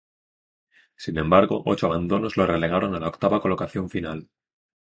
Sin embargo, ocho abandonos lo relegaron a la octava colocación final.